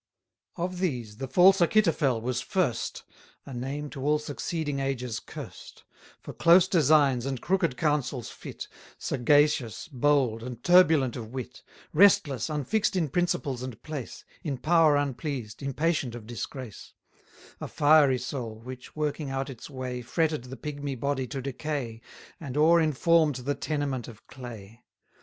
Of these, the false Achitophel was first; 150 A name to all succeeding ages cursed: For close designs, and crooked counsels fit; Sagacious, bold, and turbulent of wit; Restless, unfix'd in principles and place; In power unpleased, impatient of disgrace: A fiery soul, which, working out its way, Fretted the pigmy body to decay, And o'er inform'd the tenement of clay.